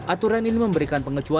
aturan ini memberikan pengecualian